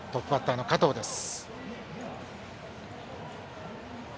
トップバッターの加藤です。